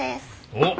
おっ！